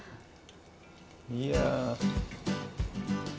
いや。